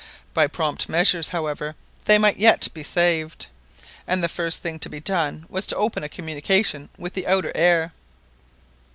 By prompt measures, however, they might yet be saved, and the first thing to be done was to open a communication with the outer air.